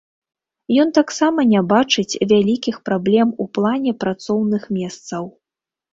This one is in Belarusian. Ён таксама не бачыць вялікіх праблем у плане працоўных месцаў.